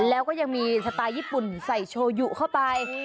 แล้วก็ยังมีสไตล์ญี่ปุ่นใส่โชยุเข้าไป